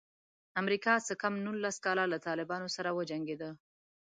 امریکا څه کم نولس کاله له طالبانو سره وجنګېده.